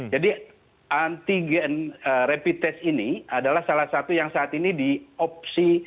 jadi antigen rapid test ini adalah salah satu yang saat ini diopsi